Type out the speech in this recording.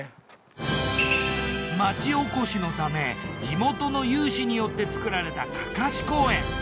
町おこしのため地元の有志によって作られた案山子公園。